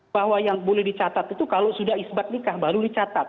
bahwa yang boleh dicatat itu kalau sudah isbat nikah baru dicatat